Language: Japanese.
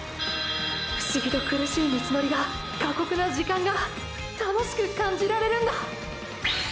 不思議と苦しい道のりが過酷な時間が楽しく感じられるんだ！！